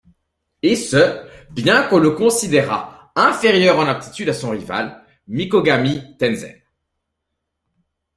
Et ce bien qu'on le considérât inférieur en aptitudes à son rival, Mikogami Tenzen.